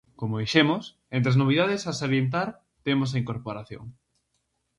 Como dixemos, entre as novidades a salientar temos a incorporación.